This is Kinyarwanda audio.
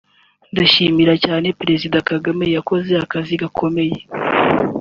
ndashimira cyane Perezida Kagame yakoze akazi gakomeye